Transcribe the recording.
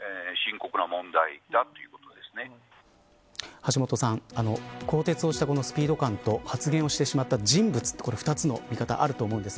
橋下さん更迭をしたこのスピード感と発言をしてしまった人物２つの見方あると思うんですね。